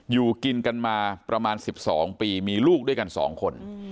อยู่กินกันมาประมาณ๑๒ปีมีลูกด้วยกัน๒คน